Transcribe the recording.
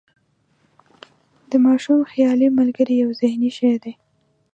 د ماشوم خیالي ملګری یو ذهني شی دی.